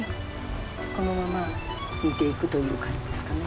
このまま煮ていくという感じですかね。